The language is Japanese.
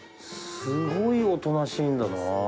すごいおとなしいんだな。